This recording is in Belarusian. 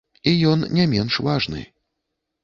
І ён не менш важны.